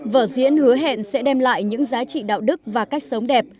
vở diễn hứa hẹn sẽ đem lại những giá trị đạo đức và cách sống đẹp